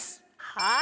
はい。